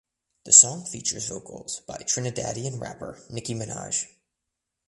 The song features vocals by Trinidadian rapper Nicki Minaj.